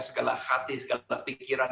segala hati segala pikiran